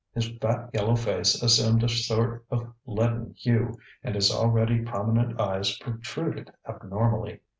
His fat yellow face assumed a sort of leaden hue, and his already prominent eyes protruded abnormally.